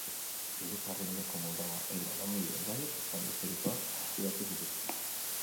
Europa erdialdeko Moldava, Elba, Danubio ibaiek maila historikoak eskuratu zituzten.